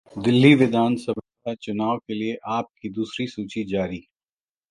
दिल्ली विधानसभा चुनाव के लिए 'आप' की दूसरी सूची जारी